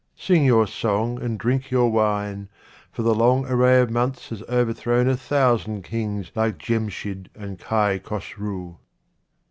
Sing your song and drink your wine, for the long array of months has overthrown a thousand kings like Djemshid and Kai Khosrou.